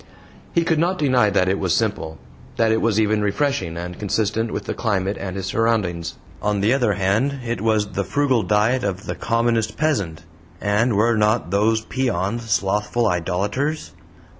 He could not deny that it was simple that it was even refreshing and consistent with the climate and his surroundings. On the other hand, it was the frugal diet of the commonest peasant and were not those peons slothful idolaters?